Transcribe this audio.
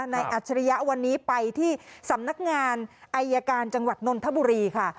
อัจฉริยะวันนี้ไปที่สำนักงานอายการจังหวัดนนทบุรีค่ะ